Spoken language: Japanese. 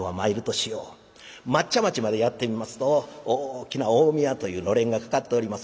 松屋町までやって来ますと大きな近江屋というのれんが掛かっております。